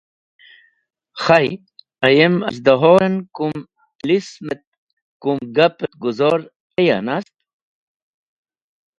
Khay, ayem az̃hdahoren kum tilism et kum gap et guzor teya nast?